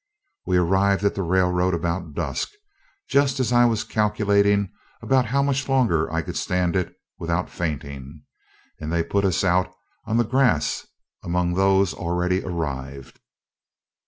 We arrived at the railroad about dusk, just as I was calculating about how much longer I could stand it without fainting, and they put us out on the grass among those already arrived.